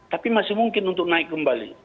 tapi masih mungkin untuk naik kembali